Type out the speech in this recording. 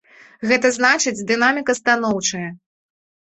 Гэта значыць, дынаміка станоўчая.